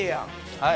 はい。